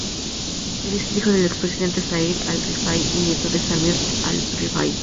Es hijo del expresidente Zaid al-Rifai y nieto de Samir al-Rifai.